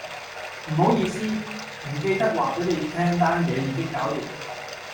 唔好意思，唔記得話俾你聽單嘢已經搞掂